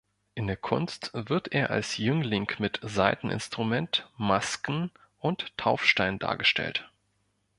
In der Kunst wird er als Jüngling mit Saiteninstrument, Masken und Taufstein dargestellt.